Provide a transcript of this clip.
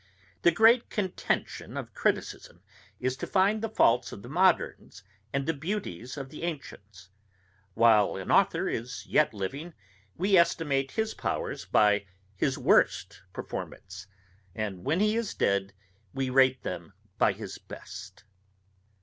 The great contention of criticism is to find the faults of the moderns, and the beauties of the ancients. While an author is yet living we estimate his powers by his worst performance, and when he is dead, we rate them by his best.